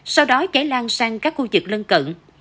sau đó cháy lan sang các khu vực lân cận